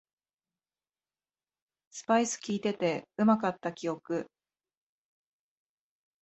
スパイスきいててうまかった記憶